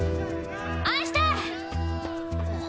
あしたァ！